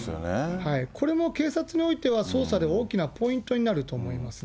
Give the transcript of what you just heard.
これも警察においては、捜査で大きなポイントになると思いますね。